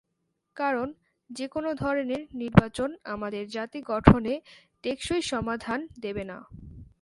কারণ, যেকোনো ধরনের নির্বাচন আমাদের জাতি গঠনে টেকসই সমাধান দেবে না।